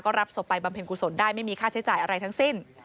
รับศพไปบำเพ็ญกุศลได้ไม่มีค่าใช้จ่ายอะไรทั้งสิ้น